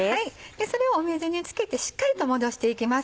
でそれを水につけてしっかりと戻していきます。